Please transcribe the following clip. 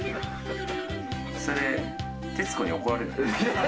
それ、徹子に怒られない？